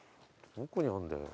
どこにあんだよ。